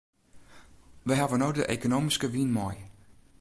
Wy hawwe no de ekonomyske wyn mei.